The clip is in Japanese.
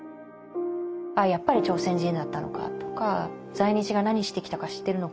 「ああやっぱり朝鮮人だったのか」とか「在日が何してきたか知ってるのか？」